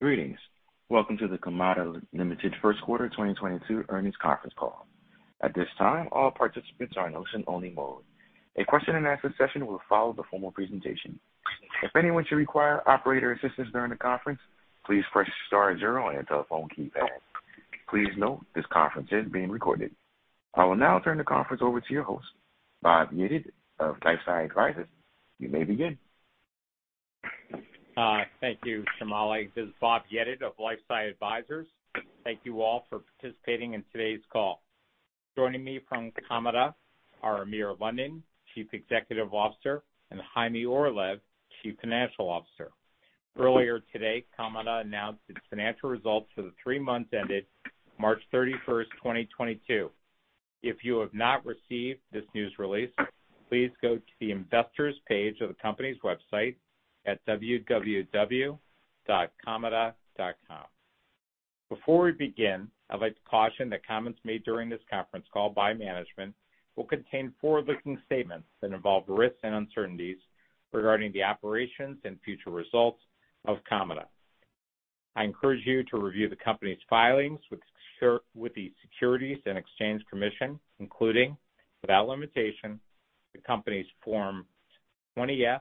Greetings. Welcome to the Kamada Ltd. First Quarter 2022 Earnings Conference Call. At this time, all participants are in listen-only mode. A question-and-answer session will follow the formal presentation. If anyone should require operator assistance during the conference, please press star zero on your telephone keypad. Please note this conference is being recorded. I will now turn the conference over to your host, Bob Yedid of LifeSci Advisors. You may begin. Thank you, Shamali. This is Bob Yedid of LifeSci Advisors. Thank you all for participating in today's call. Joining me from Kamada are Amir London, Chief Executive Officer, and Chaime Orlev, Chief Financial Officer. Earlier today, Kamada announced its financial results for the three months ended March 31, 2022. If you have not received this news release, please go to the investors page of the company's website at www.kamada.com. Before we begin, I'd like to caution that comments made during this conference call by management will contain forward-looking statements that involve risks and uncertainties regarding the operations and future results of Kamada. I encourage you to review the company's filings with the Securities and Exchange Commission, including, without limitation, the company's Form 20-F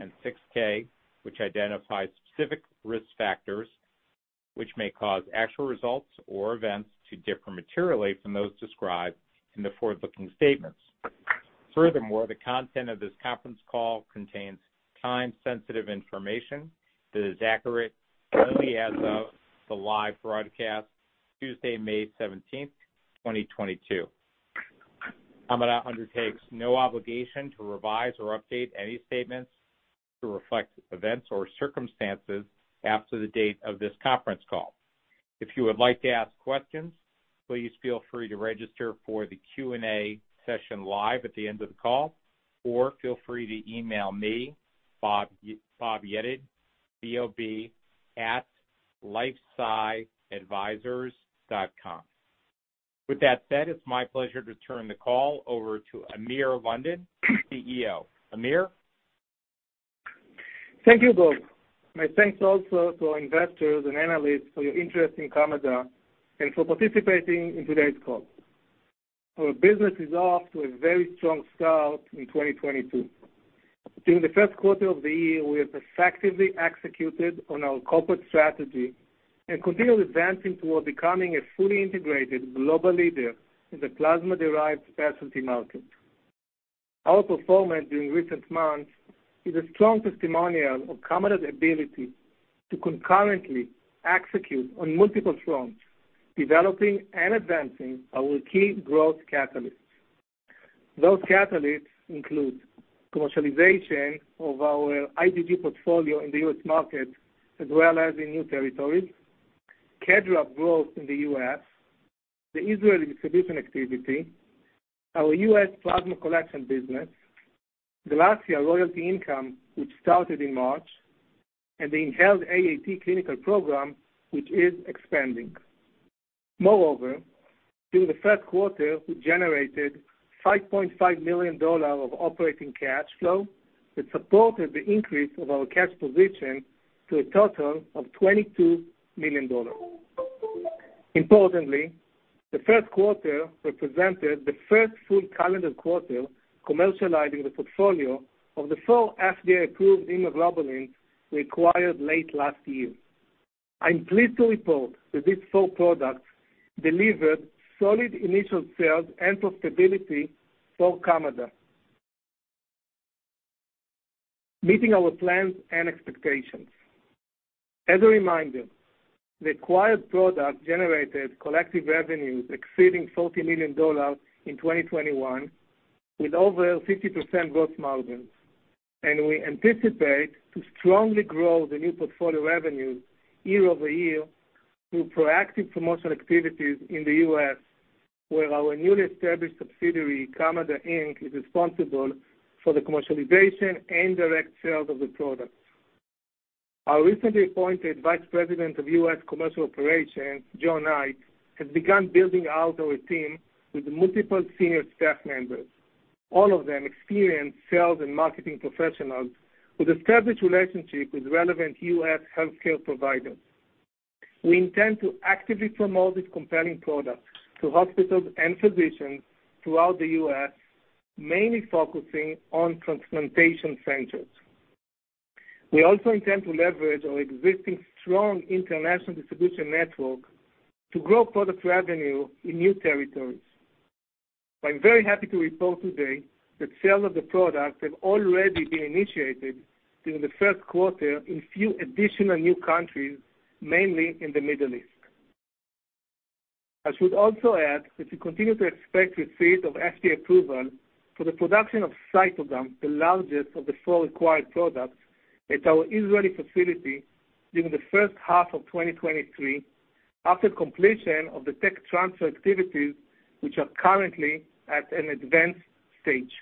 and Form 6-K, which identifies specific risk factors which may cause actual results or events to differ materially from those described in the forward-looking statements. Furthermore, the content of this conference call contains time-sensitive information that is accurate only as of the live broadcast, Tuesday, May 17, 2022. Kamada undertakes no obligation to revise or update any statements to reflect events or circumstances after the date of this conference call. If you would like to ask questions, please feel free to register for the Q&A session live at the end of the call, or feel free to email me, Bob Yedid, bob@lifesciadvisors.com. With that said, it's my pleasure to turn the call over to Amir London, CEO. Amir? Thank you, Bob. My thanks also to investors and analysts for your interest in Kamada and for participating in today's call. Our business is off to a very strong start in 2022. During the first quarter of the year, we have effectively executed on our corporate strategy and continue advancing toward becoming a fully integrated global leader in the plasma-derived specialty market. Our performance during recent months is a strong testimonial of Kamada's ability to concurrently execute on multiple fronts, developing and advancing our key growth catalysts. Those catalysts include commercialization of our IgG portfolio in the U.S. market as well as in new territories, KEDRAB growth in the U.S., the Israeli distribution activity, our U.S. plasma collection business, GLASSIA royalty income, which started in March, and the inhaled AAT clinical program, which is expanding. Moreover, during the first quarter, we generated $5.5 million of operating cash flow that supported the increase of our cash position to a total of $22 million. Importantly, the first quarter represented the first full calendar quarter commercializing the portfolio of the four FDA-approved immunoglobulins we acquired late last year. I'm pleased to report that these four products delivered solid initial sales and profitability for Kamada, meeting our plans and expectations. As a reminder, the acquired product generated collective revenues exceeding $40 million in 2021 with over 50% gross margins. We anticipate to strongly grow the new portfolio revenues year-over-year through proactive promotional activities in the US, where our newly established subsidiary, Kamada Inc., is responsible for the commercialization and direct sales of the products. Our recently appointed Vice President of U.S. Commercial Operations, Jon R. Knight, has begun building out our team with multiple senior staff members, all of them experienced sales and marketing professionals with established relationships with relevant U.S. healthcare providers. We intend to actively promote these compelling products to hospitals and physicians throughout the U.S., mainly focusing on transplantation centers. We also intend to leverage our existing strong international distribution network to grow product revenue in new territories. I'm very happy to report today that sales of the product have already been initiated during the first quarter in few additional new countries, mainly in the Middle East. I should also add that we continue to expect receipt of FDA approval for the production of CYTOGAM, the largest of the four acquired products, at our Israeli facility during the first half of 2023 after completion of the tech transfer activities, which are currently at an advanced stage.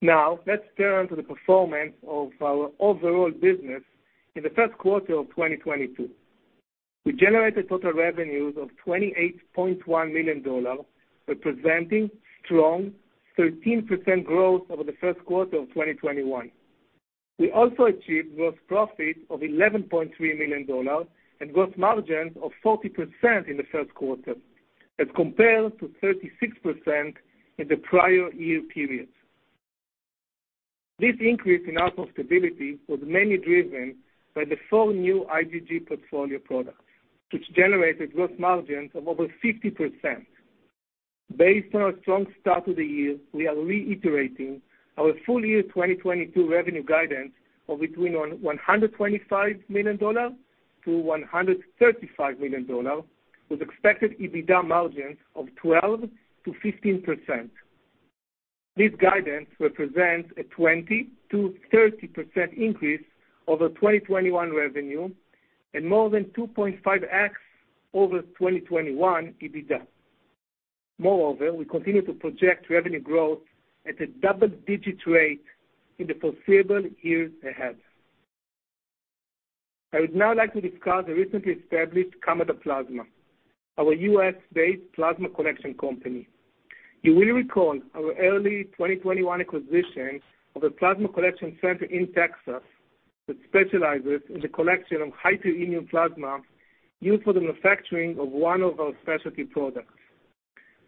Now, let's turn to the performance of our overall business in the first quarter of 2022. We generated total revenues of $28.1 million, representing strong 13% growth over the first quarter of 2021. We also achieved gross profit of $11.3 million and gross margins of 40% in the first quarter as compared to 36% in the prior year period. This increase in profitability was mainly driven by the four new IgG portfolio products, which generated gross margins of over 50%. Based on our strong start to the year, we are reiterating our full year 2022 revenue guidance of between $125 million-$135 million with expected EBITDA margins of 12%-15%. This guidance represents a 20%-30% increase over 2021 revenue and more than 2.5x over 2021 EBITDA. Moreover, we continue to project revenue growth at a double-digit rate in the foreseeable years ahead. I would now like to discuss the recently established Kamada Plasma, our U.S.-based plasma collection company. You will recall our early 2021 acquisition of a plasma collection center in Texas that specializes in the collection of hyperimmune plasma used for the manufacturing of one of our specialty products.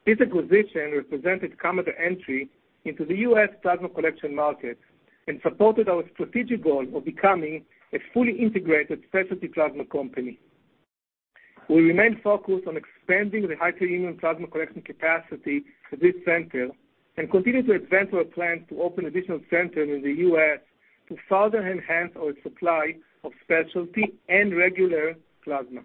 This acquisition represented Kamada's entry into the U.S. plasma collection market and supported our strategic goal of becoming a fully integrated specialty plasma company. We remain focused on expanding the hyperimmune plasma collection capacity for this center and continue to advance our plans to open additional centers in the U.S. to further enhance our supply of specialty and regular plasma.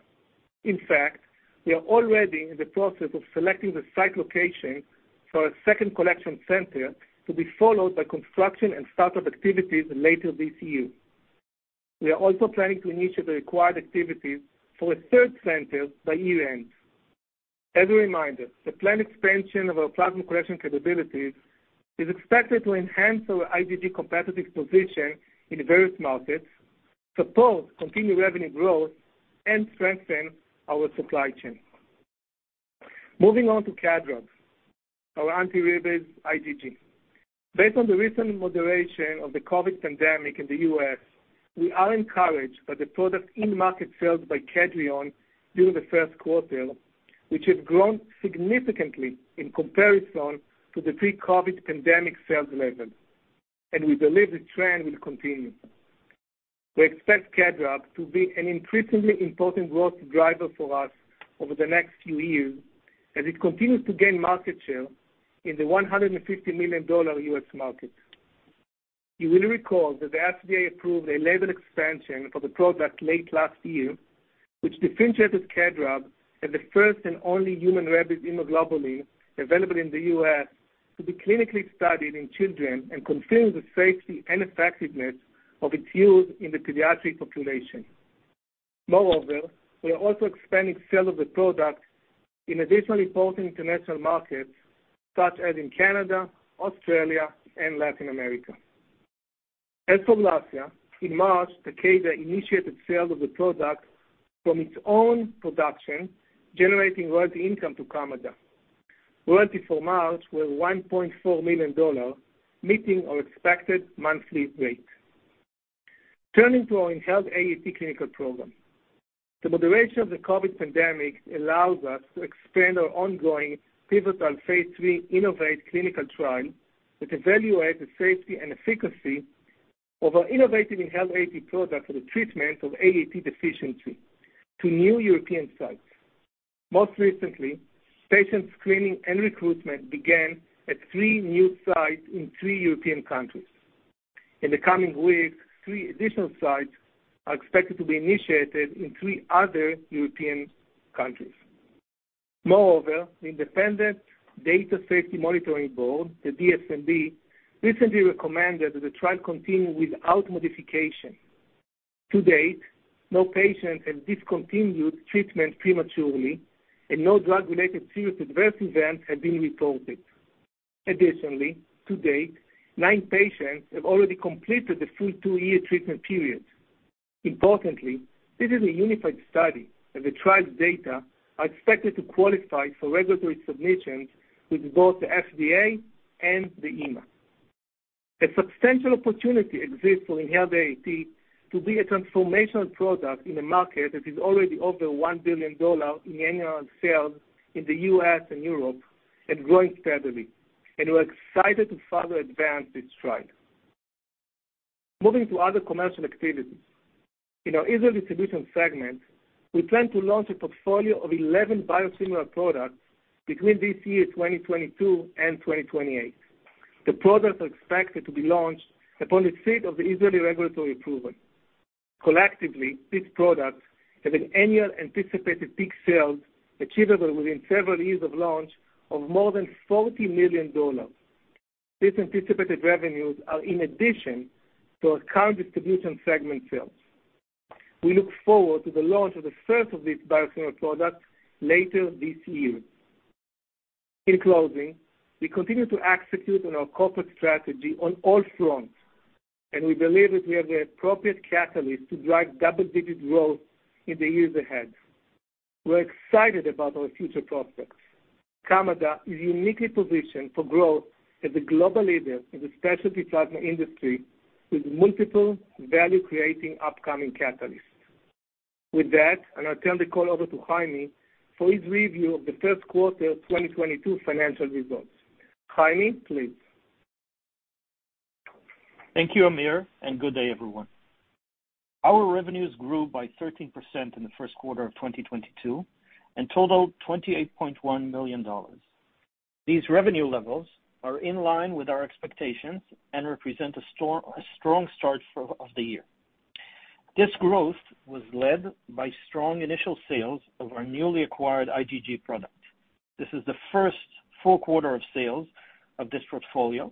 In fact, we are already in the process of selecting the site location for a second collection center to be followed by construction and start-up activities later this year. We are also planning to initiate the required activities for a third center by year-end. As a reminder, the planned expansion of our plasma collection capabilities is expected to enhance our IgG competitive position in the various markets, support continued revenue growth, and strengthen our supply chain. Moving on to KamRAB, our anti-rabies IgG. Based on the recent moderation of the COVID pandemic in the US, we are encouraged by the product in-market sales by Kedrion during the first quarter, which have grown significantly in comparison to the pre-COVID pandemic sales levels, and we believe the trend will continue. We expect KEDRAB to be an increasingly important growth driver for us over the next few years as it continues to gain market share in the $150 million US market. You will recall that the FDA approved a label expansion for the product late last year, which differentiates KEDRAB as the first and only human rabies immunoglobulin available in the US to be clinically studied in children and confirm the safety and effectiveness of its use in the pediatric population. Moreover, we are also expanding sale of the product in additional important international markets, such as in Canada, Australia, and Latin America. As for Russia, in March, Takeda initiated sales of the product from its own production, generating royalty income to Kamada. Royalty for March was $1.4 million, meeting our expected monthly rate. Turning to our inhaled AAT clinical program. The moderation of the COVID pandemic allows us to expand our ongoing pivotal phase III InnovAATe clinical trial that evaluates the safety and efficacy of our innovative inhaled AAT product for the treatment of AAT deficiency to new European sites. Most recently, patient screening and recruitment began at three new sites in three European countries. In the coming weeks, three additional sites are expected to be initiated in three other European countries. Moreover, the Independent Data and Safety Monitoring Board, the DSMB, recently recommended that the trial continue without modification. To date, no patients have discontinued treatment prematurely, and no drug-related serious adverse events have been reported. Additionally, to date, nine patients have already completed the full two-year treatment period. Importantly, this is a unified study, and the trial's data are expected to qualify for regulatory submissions with both the FDA and the EMA. A substantial opportunity exists for inhaled AAT to be a transformational product in a market that is already over $1 billion in annual sales in the U.S. and Europe and growing steadily, and we're excited to further advance this trial. Moving to other commercial activities. In our Israel distribution segment, we plan to launch a portfolio of 11 biosimilar products between this year, 2022, and 2028. The products are expected to be launched upon receipt of the Israeli regulatory approval. Collectively, these products have an annual anticipated peak sales achievable within several years of launch of more than $40 million. These anticipated revenues are in addition to our current distribution segment sales. We look forward to the launch of the first of these biosimilar products later this year. In closing, we continue to execute on our corporate strategy on all fronts, and we believe that we have the appropriate catalyst to drive double-digit growth in the years ahead. We're excited about our future prospects. Kamada is uniquely positioned for growth as a global leader in the specialty plasma industry with multiple value-creating upcoming catalysts. With that, I now turn the call over to Chaime for his review of the first quarter of 2022 financial results. Chaime, please. Thank you, Amir, and good day, everyone. Our revenues grew by 13% in the first quarter of 2022 and totaled $28.1 million. These revenue levels are in line with our expectations and represent a strong start of the year. This growth was led by strong initial sales of our newly acquired IgG product. This is the first full quarter of sales of this portfolio,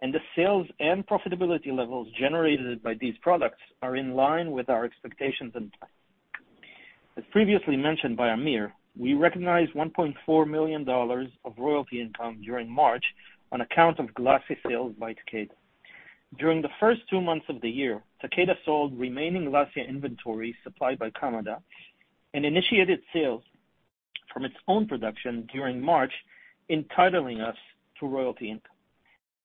and the sales and profitability levels generated by these products are in line with our expectations and plans. As previously mentioned by Amir, we recognized $1.4 million of royalty income during March on account of GLASSIA sales by Takeda. During the first two months of the year, Takeda sold remaining GLASSIA inventory supplied by Kamada and initiated sales from its own production during March, entitling us to royalty income.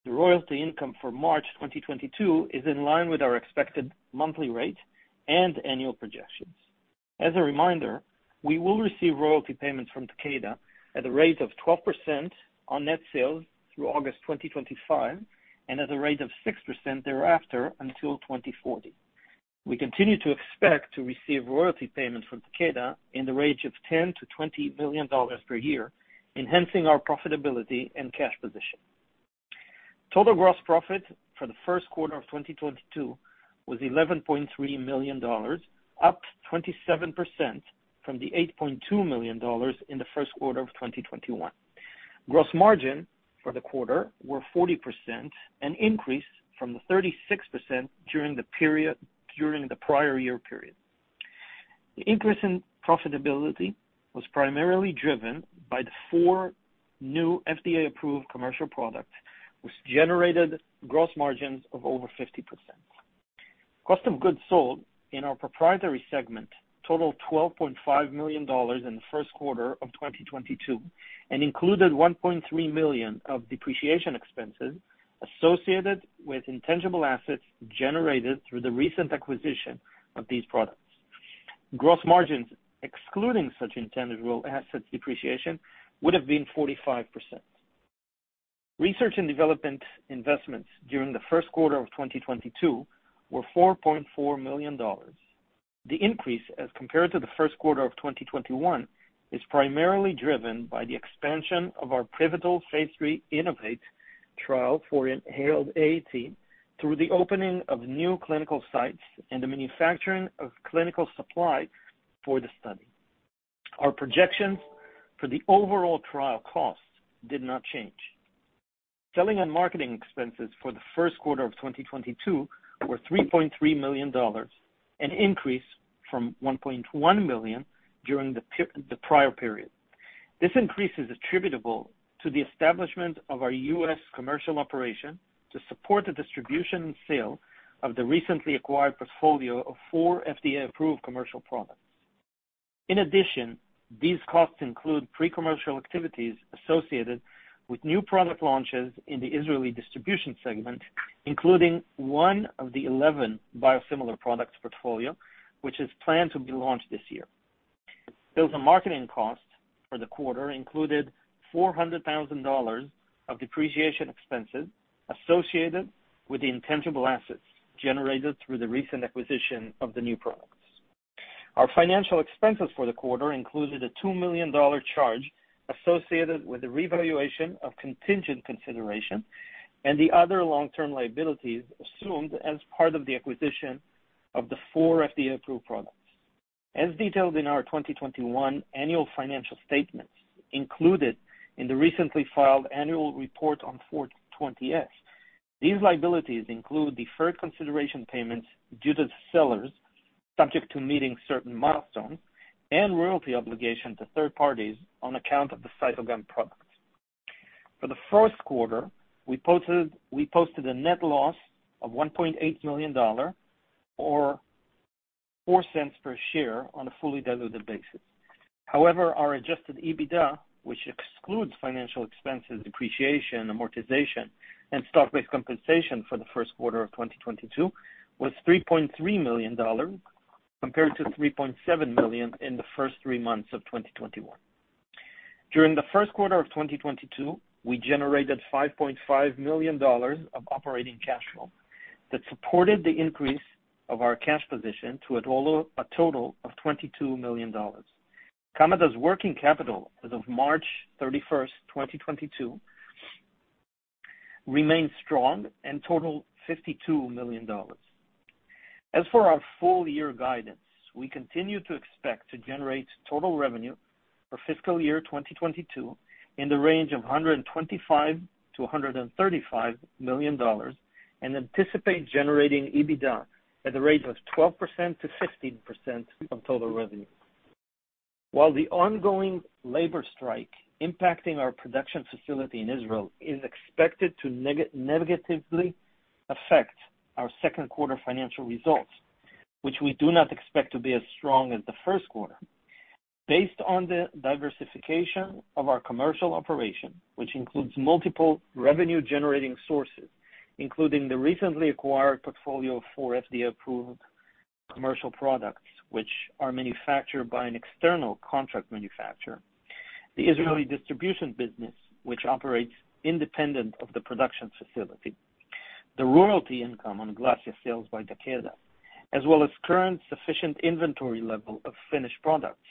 The royalty income for March 2022 is in line with our expected monthly rate and annual projections. As a reminder, we will receive royalty payments from Takeda at a rate of 12% on net sales through August 2025 and at a rate of 6% thereafter until 2040. We continue to expect to receive royalty payments from Takeda in the range of $10 million-$20 million per year, enhancing our profitability and cash position. Total gross profit for the first quarter of 2022 was $11.3 million, up 27% from the $8.2 million in the first quarter of 2021. Gross margin for the quarter were 40%, an increase from the 36% during the prior year period. The increase in profitability was primarily driven by the four new FDA-approved commercial products, which generated gross margins of over 50%. Cost of goods sold in our proprietary segment totaled $12.5 million in the first quarter of 2022 and included $1.3 million of depreciation expenses associated with intangible assets generated through the recent acquisition of these products. Gross margins, excluding such intangible assets depreciation, would have been 45%. Research and development investments during the first quarter of 2022 were $4.4 million. The increase as compared to the first quarter of 2021 is primarily driven by the expansion of our pivotal phase III InnovAATe trial for inhaled AAT through the opening of new clinical sites and the manufacturing of clinical supply for the study. Our projections for the overall trial costs did not change. Selling and marketing expenses for the first quarter of 2022 were $3.3 million, an increase from $1.1 million during the prior period. This increase is attributable to the establishment of our U.S. commercial operation to support the distribution and sale of the recently acquired portfolio of four FDA-approved commercial products. In addition, these costs include pre-commercial activities associated with new product launches in the Israeli distribution segment, including one of the 11 biosimilar products portfolio, which is planned to be launched this year. Sales and marketing costs for the quarter included $400,000 of depreciation expenses associated with the intangible assets generated through the recent acquisition of the new products. Our financial expenses for the quarter included a $2 million charge associated with the revaluation of contingent consideration and the other long-term liabilities assumed as part of the acquisition of the four FDA-approved products. As detailed in our 2021 annual financial statements included in the recently filed annual report on Form 20-F, these liabilities include deferred consideration payments due to the sellers subject to meeting certain milestones and royalty obligation to third parties on account of the CYTOGAM products. For the first quarter, we posted a net loss of $1.8 million or $0.04 per share on a fully diluted basis. However, our adjusted EBITDA, which excludes financial expenses, depreciation, amortization, and stock-based compensation for the first quarter of 2022, was $3.3 million, compared to $3.7 million in the first three months of 2021. During the first quarter of 2022, we generated $5.5 million of operating cash flow that supported the increase of our cash position to a total of $22 million. Kamada's working capital as of March 31, 2022 remains strong and totals $52 million. As for our full-year guidance, we continue to expect to generate total revenue for fiscal year 2022 in the range of $125 million-$135 million and anticipate generating EBITDA at the rate of 12%-15% of total revenue. While the ongoing labor strike impacting our production facility in Israel is expected to negatively affect our second quarter financial results, which we do not expect to be as strong as the first quarter. Based on the diversification of our commercial operation, which includes multiple revenue-generating sources, including the recently acquired portfolio of four FDA-approved commercial products, which are manufactured by an external contract manufacturer, the Israeli distribution business, which operates independent of the production facility, the royalty income on GLASSIA sales by Takeda, as well as current sufficient inventory level of finished products.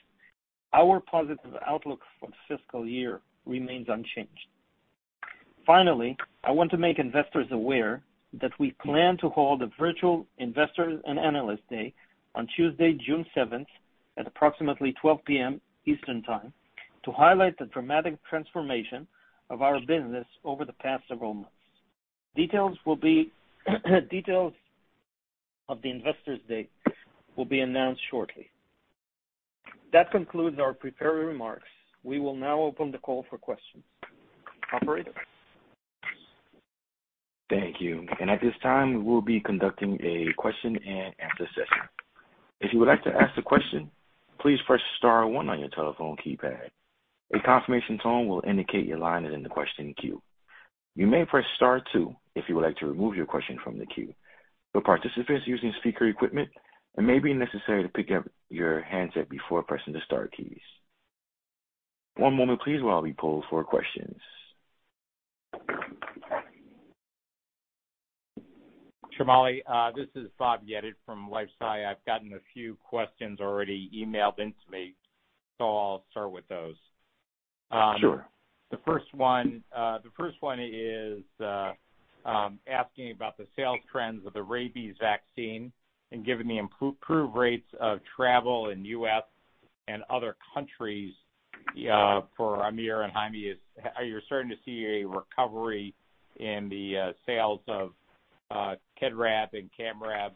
Our positive outlook for the fiscal year remains unchanged. Finally, I want to make investors aware that we plan to hold a virtual investor and analyst day on Tuesday, June seventh, at approximately 12:00P.M. Eastern Time, to highlight the dramatic transformation of our business over the past several months. Details of the Investors' Day will be announced shortly. That concludes our prepared remarks. We will now open the call for questions. Operator? Thank you. At this time, we'll be conducting a question and answer session. If you would like to ask the question, please press star one on your telephone keypad. A confirmation tone will indicate your line is in the question queue. You may press star two if you would like to remove your question from the queue. For participants using speaker equipment, it may be necessary to pick up your handset before pressing the star keys. One moment please, while we pull for questions. Shamali, this is Bob Yedid from LifeSci. I've gotten a few questions already emailed in to me, so I'll start with those. Sure. The first one is asking about the sales trends of the rabies vaccine and given the improved rates of travel in U.S. and other countries, for Amir and Chaime, are you starting to see a recovery in the sales of KEDRAB and KEDRAB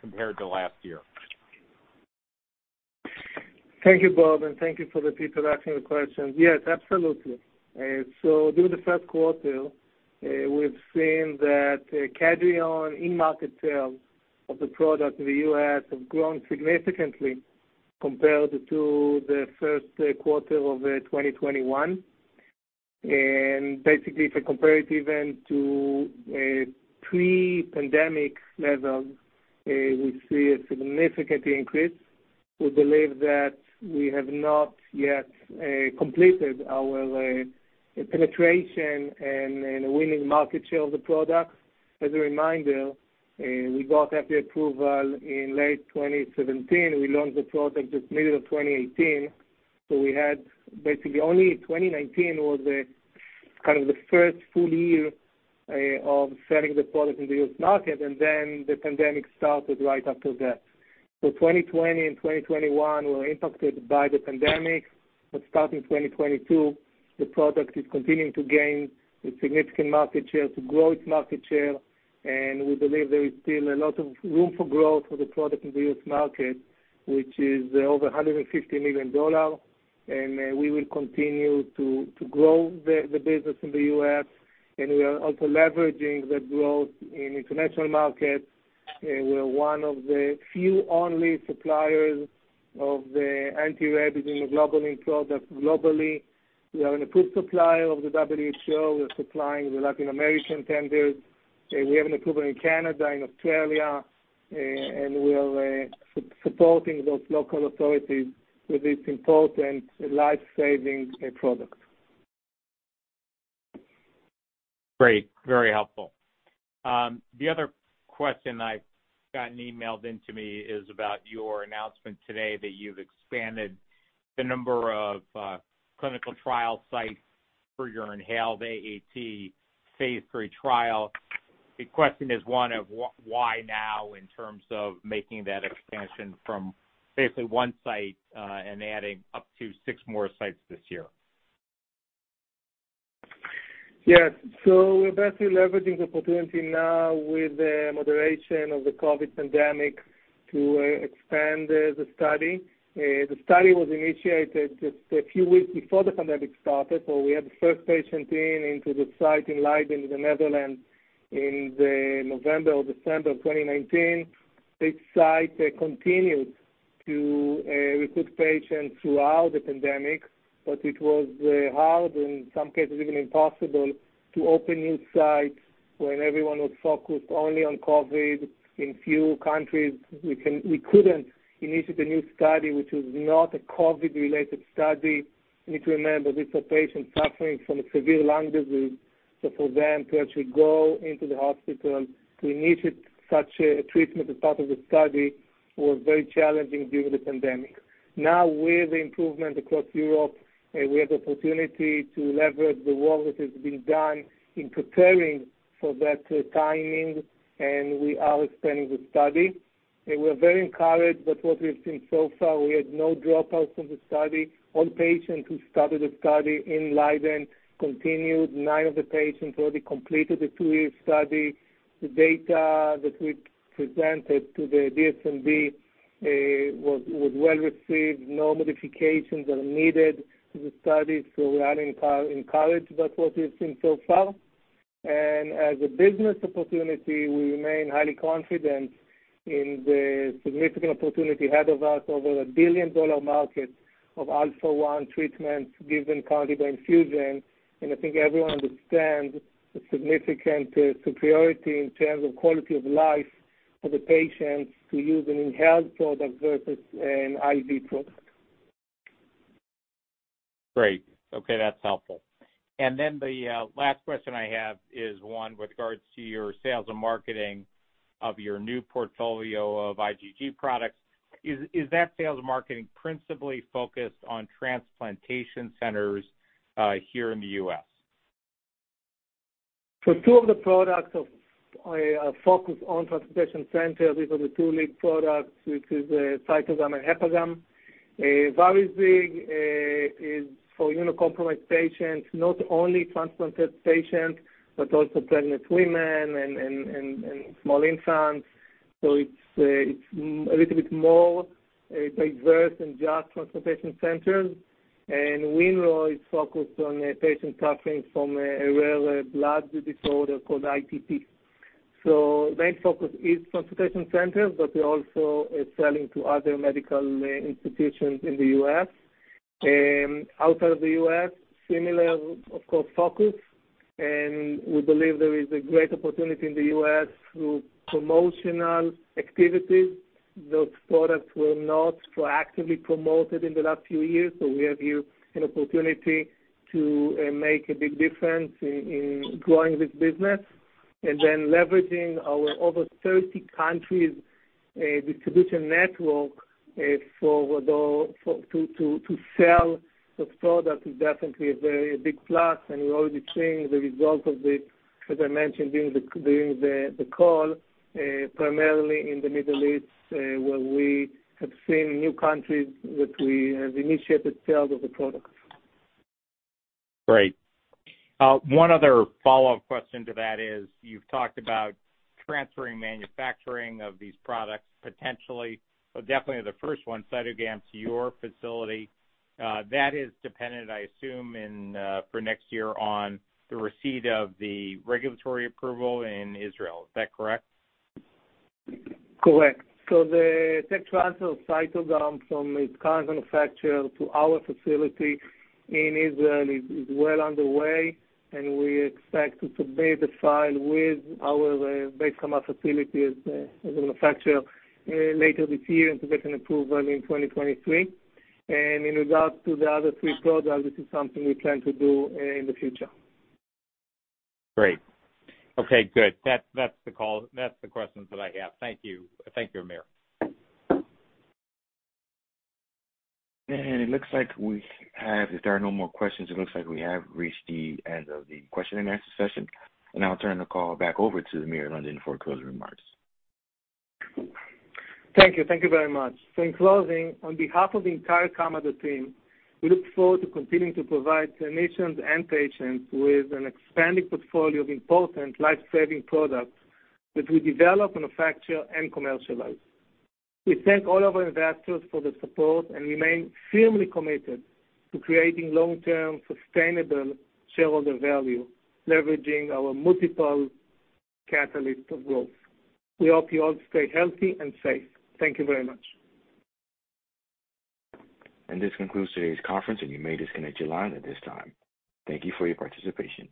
compared to last year? Thank you, Bob, and thank you for the people asking the questions. Yes, absolutely. During the first quarter, we've seen that Kedrion in-market sales of the product in the U.S. have grown significantly compared to the first quarter of 2021. Basically, if we compare it even to pre-pandemic levels, we see a significant increase. We believe that we have not yet completed our penetration and winning market share of the product. As a reminder, we got FDA approval in late 2017. We launched the product just middle of 2018. We had basically only 2019 was the kind of the first full year of selling the product in the U.S. market, and then the pandemic started right after that. 2020 and 2021 were impacted by the pandemic, but starting 2022, the product is continuing to gain a significant market share, to grow its market share, and we believe there is still a lot of room for growth for the product in the U.S. market, which is over $150 million. We will continue to grow the business in the U.S., and we are also leveraging that growth in international markets. We're one of the few only suppliers of the anti-rabies immunoglobulin product globally. We are an approved supplier of the WHO. We're supplying the Latin American tenders. We have an approval in Canada, in Australia, and we are supporting those local authorities with this important life-saving product. Great. Very helpful. The other question I've gotten emailed into me is about your announcement today that you've expanded the number of clinical trial sites for your inhaled AAT phase III trial. The question is one of why now in terms of making that expansion from basically one site and adding up to six more sites this year? Yes. We're basically leveraging the opportunity now with the moderation of the COVID pandemic to expand the study. The study was initiated just a few weeks before the pandemic started, so we had the first patient in the site in Leiden, in the Netherlands, in November or December of 2019. This site continued to recruit patients throughout the pandemic, but it was hard, in some cases even impossible, to open new sites when everyone was focused only on COVID. In few countries, we couldn't initiate a new study, which was not a COVID-related study. You need to remember, these are patients suffering from a severe lung disease, so for them to actually go into the hospital to initiate such a treatment as part of the study was very challenging during the pandemic. Now, with the improvement across Europe, we have the opportunity to leverage the work that has been done in preparing for that timing, and we are expanding the study. We're very encouraged with what we've seen so far. We had no dropouts from the study. All patients who started the study in Leiden continued. nine of the patients already completed the two-year study. The data that we presented to the DSMB was well received. No modifications are needed to the study, so we are encouraged by what we've seen so far. As a business opportunity, we remain highly confident in the significant opportunity ahead of us. Over a billion-dollar market of Alpha-1 treatment given currently by infusion. I think everyone understands the significant superiority in terms of quality of life for the patients to use an inhaled product versus an IV product. Great. Okay, that's helpful. The last question I have is one with regards to your sales and marketing of your new portfolio of IgG products. Is that sales and marketing principally focused on transplantation centers here in the U.S.? For two of the products focus on transplantation centers, these are the two lead products, which is CYTOGAM and HepaGam B. VARIZIG is for immunocompromised patients, not only transplanted patients, but also pregnant women and small infants. It's a little bit more diverse than just transplantation centers. WinRho is focused on patients suffering from a rare blood disorder called ITP. Main focus is transplantation centers, but we're also selling to other medical institutions in the U.S. Outside of the U.S., similar, of course, focus, and we believe there is a great opportunity in the U.S. through promotional activities. Those products were not proactively promoted in the last few years, so we have here an opportunity to make a big difference in growing this business. Leveraging our over 30 countries distribution network to sell the product is definitely a very big plus, and we're already seeing the results of it, as I mentioned during the call, primarily in the Middle East, where we have seen new countries that we have initiated sales of the products. Great. One other follow-up question to that is, you've talked about transferring manufacturing of these products potentially. Definitely the first one, CYTOGAM, to your facility. That is dependent, I assume, in, for next year on the receipt of the regulatory approval in Israel. Is that correct? Correct. The tech transfer of CYTOGAM from its current manufacturer to our facility in Israel is well underway, and we expect to submit the file with our Beit Kama facility as a manufacturer later this year and to get an approval in 2023. In regards to the other three products, this is something we plan to do in the future. Great. Okay, good. That's the questions that I have. Thank you. Thank you, Amir. If there are no more questions, it looks like we have reached the end of the question and answer session, and I'll turn the call back over to Amir London for closing remarks. Thank you. Thank you very much. In closing, on behalf of the entire Kamada team, we look forward to continuing to provide clinicians and patients with an expanding portfolio of important life-saving products that we develop, manufacture, and commercialize. We thank all of our investors for the support and remain firmly committed to creating long-term, sustainable shareholder value, leveraging our multiple catalysts of growth. We hope you all stay healthy and safe. Thank you very much. This concludes today's conference, and you may disconnect your line at this time. Thank you for your participation.